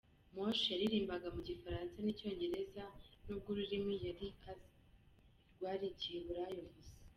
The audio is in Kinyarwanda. Moshé yaririmbaga mu gifaransa n’icyongereza n’ubwo ururimi yari azi rwari igiheburayo gusa.